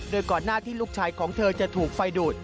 โดยก่อนหน้าที่ลูกชายของเธอจะถูกไฟดูด